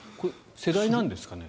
世代なんですかね。